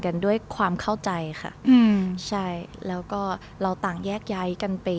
กันด้วยความเข้าใจค่ะอืมใช่แล้วก็เราต่างแยกย้ายกันไป